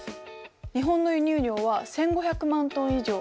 日本の輸入量は１，５００万トン以上。